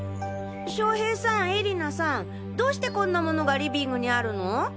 将平さん絵里菜さんどうしてこんなものがリビングにあるの？